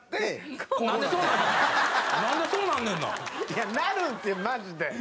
いやなるんすよマジで。